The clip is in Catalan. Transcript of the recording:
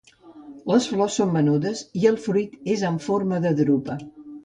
Les flors són menudes i el fruit és en forma de drupa.